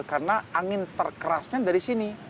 karena angin terkerasnya dari sini